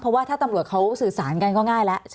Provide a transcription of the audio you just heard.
เพราะว่าถ้าตำรวจเขาสื่อสารกันก็ง่ายแล้ว